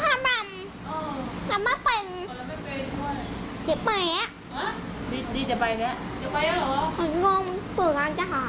ตรวจดีแต่ลำไม่เป็นผมจะไปแล้วไปแล้วเหรอลำปรุญการจะถ่าย